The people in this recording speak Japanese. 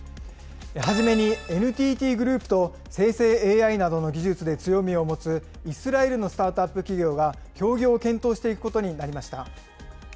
初めに、ＮＴＴグループと生成ＡＩなどの技術で強みを持つイスラエルのスタートアップ企業が協業を検討していくことになりました。